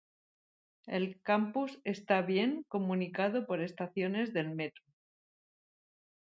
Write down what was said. El campus está bien comunicado por estaciones del metro.